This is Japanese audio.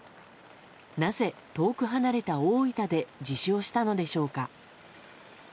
なぜ遠く離れた大分で自首をしたのでしょうか。